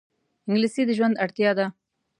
انګلیسي د ژوند اړتیا ده